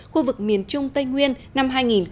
khu vực miền trung tây nguyên năm hai nghìn một mươi chín